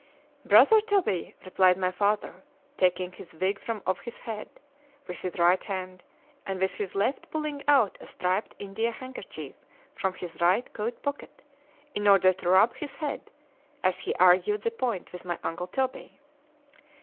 _"— Brother Toby, replied my father, taking his wig from off his head with his right hand, and with his left pulling out a striped India handkerchief from his right coat pocket, in order to rub his head, as he argued the point with my uncle _Toby.